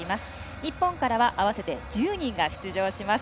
日本からは合わせて１０人が出場します。